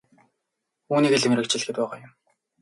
Үүнийгээ л мэргэжил гээд байгаа юм.